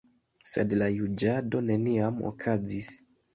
Sed la juĝado neniam okazis.